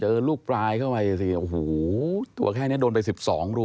ลูกปลายเข้าไปสิโอ้โหตัวแค่นี้โดนไป๑๒รู